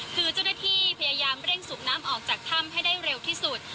คือเจ้าหน้าที่พยายามเร่งสูบน้ำออกจากถ้ำให้ได้เร็วที่สุด